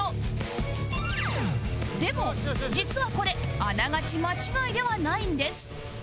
でも実はこれあながち間違いではないんです